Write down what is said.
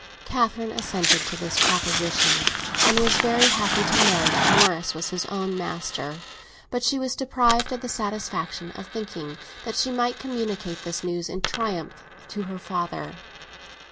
Catherine assented to this proposition, and was very happy to know that Morris was his own master; but she was deprived of the satisfaction of thinking that she might communicate this news in triumph to her father.